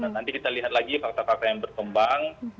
nanti kita lihat lagi fakta fakta yang berkembang